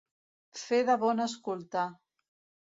Fer de bon escoltar.